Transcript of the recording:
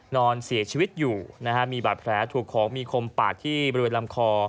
นอนเสียชีวิตอยู่นะฮะมีบาดแผลถูกของมีคมปาดที่บริเวณลำคอ